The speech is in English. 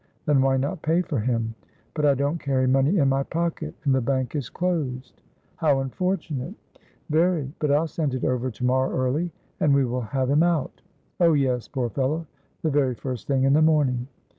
"Then why not pay for him?" "But I don't carry money in my pocket, and the bank is closed." "How unfortunate!" "Very! but I'll send it over to morrow early, and we will have him out." "Oh, yes, poor fellow! the very first thing in the morning."